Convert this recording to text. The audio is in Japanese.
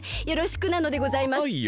よろしくなのでございます。